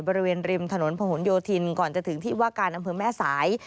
บริเวณริมถนนพะหนโยธินก่อนจะถึงที่ว่าการอำเภอแม่สาย